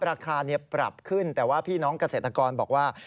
ราคาปรับขึ้นแต่ว่าพี่น้องเกษตรกรบอกว่า